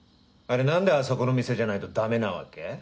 あれなんであそこの店じゃないとダメなわけ？